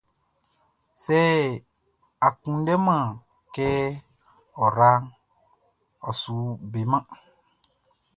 Sɛ a kunndɛman kɛ ɔ raʼn, ɔ su beman.